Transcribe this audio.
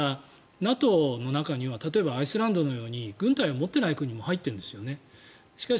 だから、ＮＡＴＯの中には例えば、アイスランドのように軍隊を持っていない国も入っているんですよね。